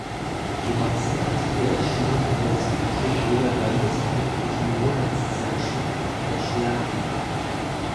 Die meisten Artikel erschienen in der Südtiroler landeskundlichen Monatszeitschrift Der Schlern.